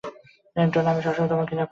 এন্টন আমি সবসময় তোমার ঘৃণার পাত্র ছিলাম।